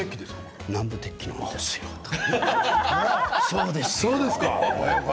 南部鉄器なんですか？